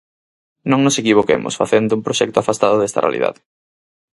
Non nos equivoquemos facendo un proxecto afastado desta realidade.